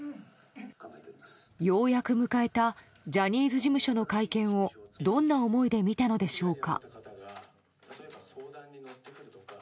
ようやく迎えたジャニーズ事務所の会見をどんな思いで見たのでしょうか。